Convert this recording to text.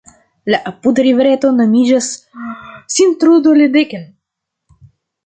La apuda rivereto nomiĝas "Sint-Trudoledeken".